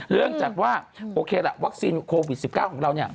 เนื่องจากว่าโอเคล่ะวัคซีนโควิด๑๙ของเราเนี่ย